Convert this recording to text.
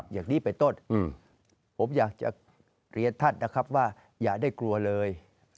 อย่างนี้ไปต้นผมอยากจะเรียนท่านนะครับว่าอย่าได้กลัวเลย